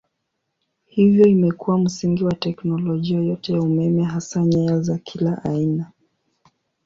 Hivyo imekuwa msingi wa teknolojia yote ya umeme hasa nyaya za kila aina.